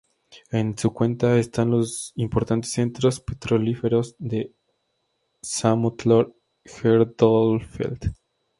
En su cuenca están los importantes centros petrolíferos de Samotlor-Erdölfeld.